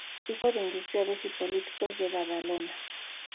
Hijo de industriales y políticos de Badalona.